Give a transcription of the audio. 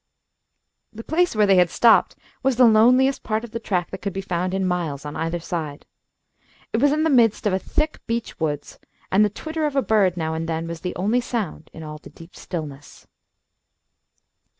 The place where they had stopped was the loneliest part of the track that could be found in miles, on either side. It was in the midst of a thick beech woods, and the twitter of a bird, now and then, was the only sound in all the deep stillness.